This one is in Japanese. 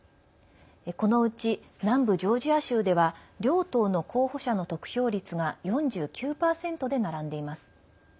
このうち、南部ジョージア州では両党の候補者の得票率が４９％で並んでいます。